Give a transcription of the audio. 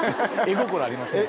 絵心ありますね。